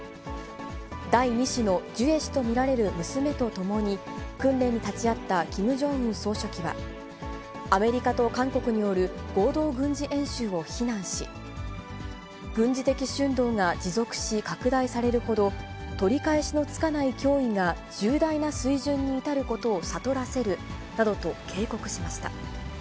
第２子のジュエ氏と見られる娘と共に、訓練に立ち会ったキム・ジョンウン総書記は、アメリカと韓国による合同軍事演習を非難し、軍事的しゅんどうが持続し、拡大されるほど、取り返しのつかない脅威が重大な水準に至ることを悟らせるなどと警告しました。